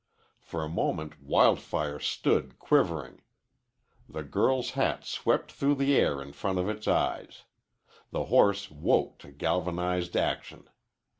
For a moment Wild Fire stood quivering. The girl's hat swept through the air in front of its eyes. The horse woke to galvanized action.